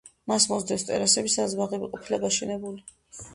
მას მოსდევს ტერასები, სადაც ბაღები ყოფილა გაშენებული.